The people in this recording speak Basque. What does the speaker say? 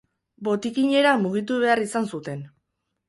Botikinera mugitu behar izan zuten.